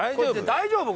大丈夫？